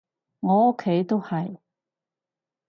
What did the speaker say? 我屋企都係